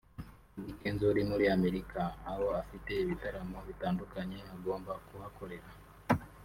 Eddy Kenzo uri muri Amerika aho afite ibitaramo bitandukanye agomba kuhakorera